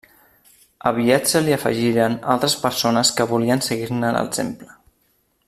Aviat se li afegiren altres persones que volien seguir-ne l'exemple.